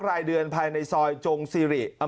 รายเดือนภายในซอยจงซีริ